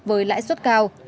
với lãi suất cao